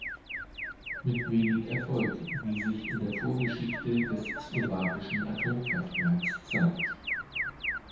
Mit wenig Erfolg, wie sich in der Vorgeschichte des slowakischen Atomkraftwerks zeigt.